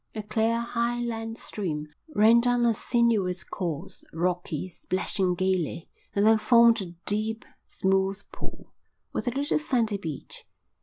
A clear highland stream ran down a sinuous course, rocky, splashing gaily, and then formed a deep, smooth pool, with a little sandy beach.